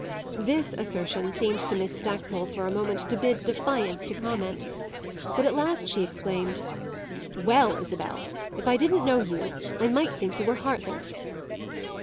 This assertion seemed to Miss Stackpole for a moment to bid defiance to comment; but at last she exclaimed: "Well, Isabel, if I didn't know you I might think you were heartless!"